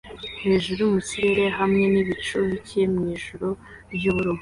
hejuru mu kirere hamwe n'ibicu bike mwijuru ry'ubururu